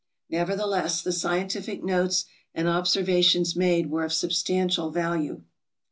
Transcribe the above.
Never theless, the scientific notes and observations made were of substantial value.